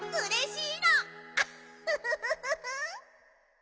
フフフフ。